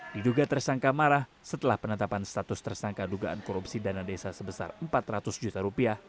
diduga tersangka marah setelah penetapan status tersangka dugaan korupsi dana desa sebesar empat ratus juta rupiah